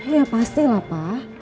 ya pasti lah pak